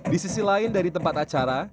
di sisi lain dari tempat acara